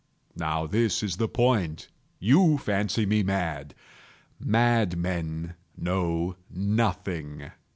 Now this is the point. You fancy me mad. Madmen know nothing.